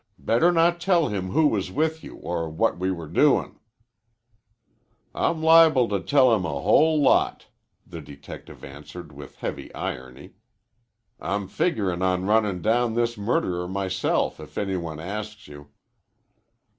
"Better not tell him who was with you or what we were doin'." "I'm liable to tell him a whole lot," the detective answered with heavy irony. "I'm figurin' on runnin' down this murderer myself if any one asks you."